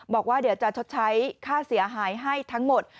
บอกว่าเดี๋ยวจะชดใช้ค่าเสียหายให้ทั้งหมด